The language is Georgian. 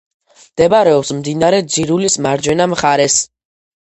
მდებარეობს მდინარე ძირულის მარჯვენა მხარეს.